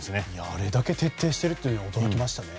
あれだけ徹底してるのは驚きましたね。